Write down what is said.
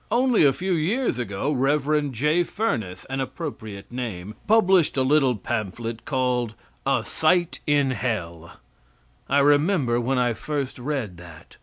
Only a few years ago, Rev. J. Furness (an appropriate name) published a little pamphlet called "A Sight in Hell." I remember when I first read that.